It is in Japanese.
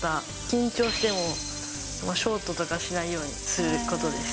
緊張してもショートとかしないようにすることです。